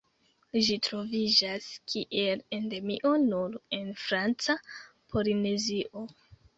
Ĝi troviĝas kiel endemio nur en Franca Polinezio.